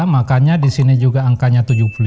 makanya disini juga angkanya tujuh puluh lima